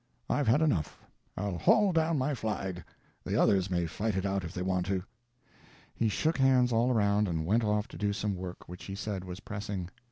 I've had enough; I'll haul down my flag—the others may fight it out if they want to." He shook hands all around and went off to do some work which he said was pressing.